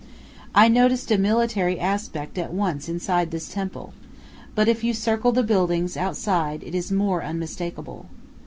I noticed a military aspect at once inside this temple; but if you circle the buildings outside it is more unmistakable.